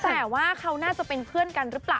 แต่ว่าเขาน่าจะเป็นเพื่อนกันหรือเปล่า